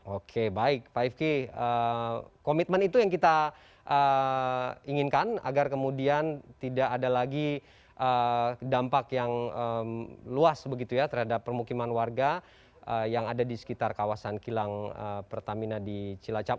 oke baik pak ifki komitmen itu yang kita inginkan agar kemudian tidak ada lagi dampak yang luas begitu ya terhadap permukiman warga yang ada di sekitar kawasan kilang pertamina di cilacap